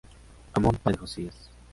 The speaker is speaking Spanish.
Amón padre de Josías.